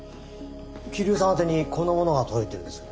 桐生さん宛てにこんなものが届いてるんです。